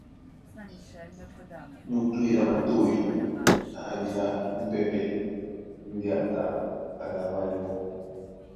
Mutúedi a motoi abilá núpɛ́pɛ̄ ndé a tá a ɗaŋwanɛ mɔ́.